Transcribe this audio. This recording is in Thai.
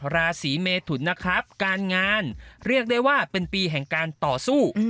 ราศีเมทุนนะครับการงานเรียกได้ว่าเป็นปีแห่งการต่อสู้